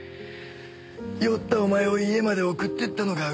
酔ったお前を家まで送ってったのが運の尽き。